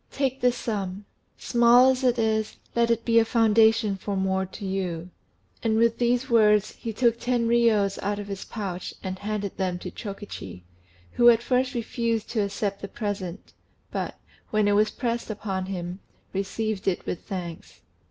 Take this sum: small as it is, let it be a foundation for more to you." And with these words he took ten riyos out of his pouch and handed them to Chokichi, who at first refused to accept the present, but, when it was pressed upon him, received it with thanks.